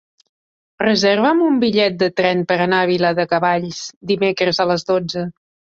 Reserva'm un bitllet de tren per anar a Viladecavalls dimecres a les dotze.